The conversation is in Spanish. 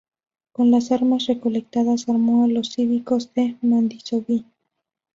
Con las armas recolectadas armó a los Cívicos de Mandisoví.